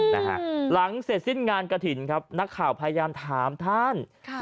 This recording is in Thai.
หลังเสร็จสิ้นงานกระถิ่นครับนักข่าวพยายามถามท่านค่ะ